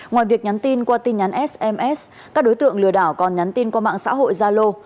ngoài việc nhắn tin qua tin nhắn sms các đối tượng lừa đảo còn nhắn tin qua mạng xã hội gia lô